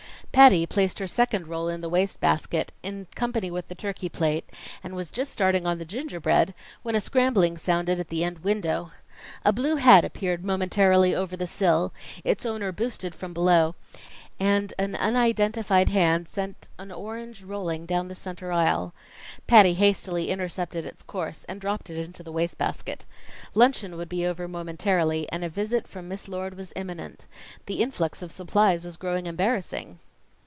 Patty placed her second roll in the wastebasket in company with the turkey plate, and was just starting on the gingerbread, when a scrambling sounded at the end window. A blue hat appeared momentarily over the sill, its owner boosted from below, and an unidentified hand sent an orange rolling down the center aisle. Patty hastily intercepted its course and dropped it into the wastebasket. Luncheon would be over momentarily, and a visit from Miss Lord was imminent. This influx of supplies was growing embarrassing.